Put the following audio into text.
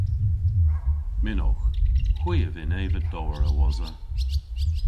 Mynnowgh. Hwi a vynn eva dowr a-wosa.